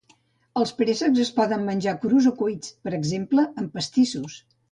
Els préssecs es poden menjar crus o cuits, per exemple en pastissos.